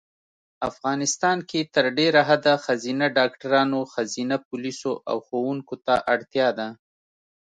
افغانیستان کې تر ډېره حده ښځېنه ډاکټرانو ښځېنه پولیسو او ښوونکو ته اړتیا ده